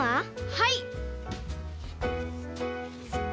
はい！